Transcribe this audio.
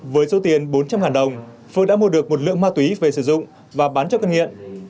với số tiền bốn trăm linh đồng phương đã mua được một lượng ma túy về sử dụng và bán cho con nghiện